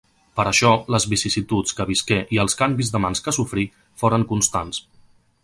Per això, les vicissituds que visqué, i els canvis de mans que sofrí, foren constants.